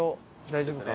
大丈夫か。